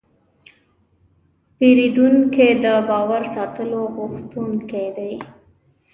پیرودونکی د باور ساتلو غوښتونکی دی.